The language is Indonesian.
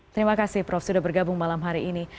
terima kasih prof sudah bergabung malam hari ini